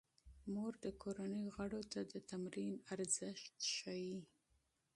مور د کورنۍ غړو ته د تمرین اهمیت ښيي.